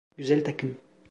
Güzel takım.